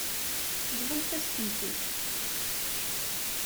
Bḍumt-as-ten-id.